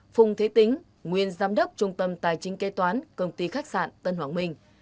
phùng thế tính nguyên giám đốc trung tâm tài chính kế toán công ty khách sạn tân hoàng minh